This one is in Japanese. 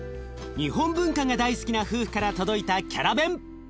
日本文化が大好きな夫婦から届いたキャラベン。